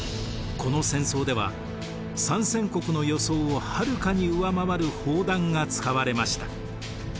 この戦争では参戦国の予想をはるかに上回る砲弾が使われました。